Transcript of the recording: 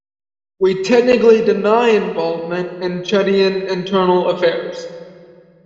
We technically deny involvement in Chadian internal affairs.